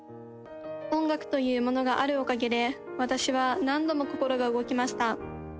音楽というものがあるおかげで私は何度も心が動きました。